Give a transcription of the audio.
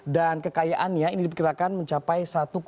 dan kekayaannya ini diperkirakan mencapai satu enam